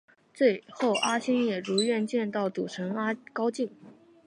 最后阿星也如愿见到赌神高进。